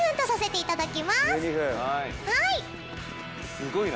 すごいな。